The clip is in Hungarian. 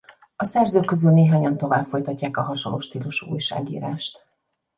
A szerzők közül néhányan tovább folytatják a hasonló stílusú újságírást.